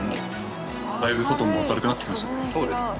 そうですね。